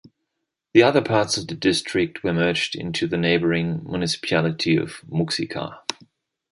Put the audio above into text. The other parts of the district were merged into the neighbouring municipality of Muxika.